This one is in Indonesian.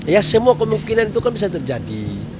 ya semua kemungkinan itu kan bisa terjadi